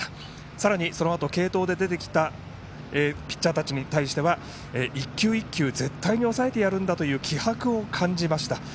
さらに、そのあと継投で出てきたピッチャーに対しては１球１球絶対に抑えてやるんだという気迫を感じました。